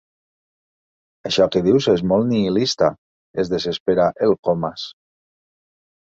Això que dius és molt nihilista —es desespera el Comas—.